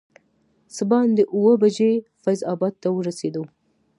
څه باندې اووه بجې فیض اباد ته ورسېدو.